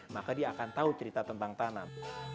maka dia akan tahu cerita tentang tanam